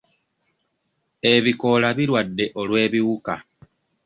Ebikoola birwadde olw'ebiwuka.